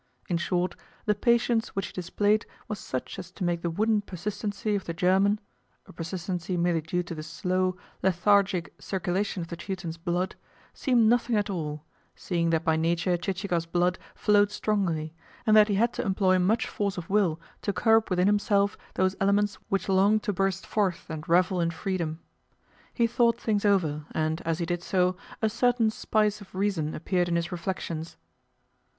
In short, the patience which he displayed was such as to make the wooden persistency of the German a persistency merely due to the slow, lethargic circulation of the Teuton's blood seem nothing at all, seeing that by nature Chichikov's blood flowed strongly, and that he had to employ much force of will to curb within himself those elements which longed to burst forth and revel in freedom. He thought things over, and, as he did so, a certain spice of reason appeared in his reflections.